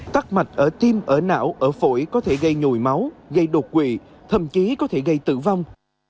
tắc mạch ở tim ở não ở phổi có thể gây nhồi máu gây đột quỵ thậm chí có thể gây tử vong